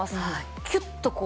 キュッとこう。